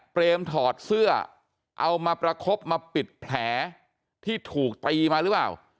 ถอดเสื้อเอามาประคบมาปิดแผลที่ถูกตีมาหรือเปล่า